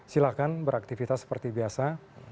silahkan beraktivitas seperti biasa